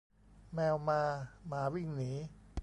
แมวมาหมาวิ่งหนี